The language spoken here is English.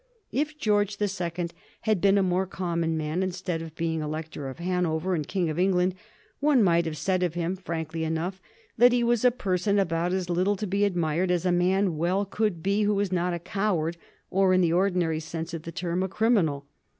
If George the Second had been a more common man, instead of be ing Elector of Hanover and King of England, one might have said of him frankly enough that he was a person about as little to be admired as a man well could be who was not a coward or in the ordinary sense of the term a criminal.